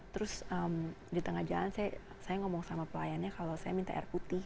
terus di tengah jalan saya ngomong sama pelayannya kalau saya minta air putih